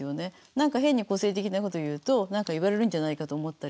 何か変に個性的なこと言うと何か言われるんじゃないかと思ったりする。